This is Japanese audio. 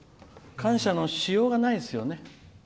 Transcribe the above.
感謝のしようがないですよね。